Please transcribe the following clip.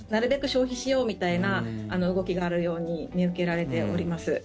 消費しようみたいな動きがあるように見受けられております。